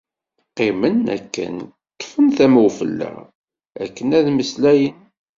Qqimen akken, ṭṭfen tama n ufella akken ad-d-mmeslayen.